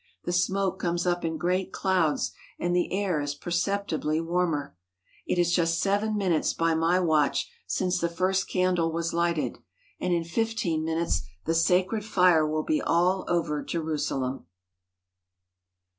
The smoke comes up in great clouds, and the air is perceptibly warmer. It is just seven minutes by my watch since the first candle was lighted, and in fifteen minutes the sacred fire will be all over Jerusalem.